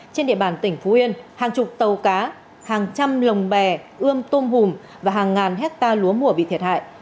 trên địa bàn tỉnh phú yên hàng chục tàu cá hàng trăm lồng bè ươm tôm hùm và hàng ngàn hecta lúa mùa bị thiệt hại